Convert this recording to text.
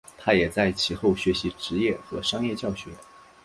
他也在其后学习职业和商业教学。